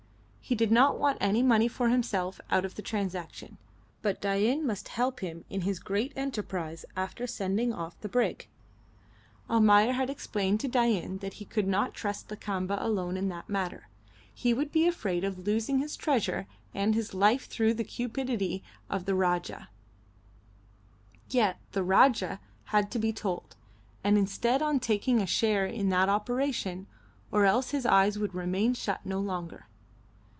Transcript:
He did not want any money for himself out of the transaction, but Dain must help him in his great enterprise after sending off the brig. Almayer had explained to Dain that he could not trust Lakamba alone in that matter; he would be afraid of losing his treasure and his life through the cupidity of the Rajah; yet the Rajah had to be told, and insisted on taking a share in that operation, or else his eyes would remain shut no longer.